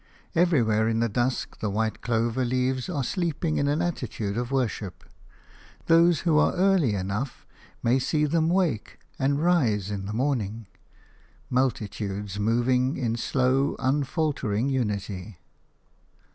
Everywhere in the dusk the white clover leaves are sleeping in an attitude of worship; those who are early enough may see them wake and rise in the morning – multitudes moving in slow, unfaltering unity.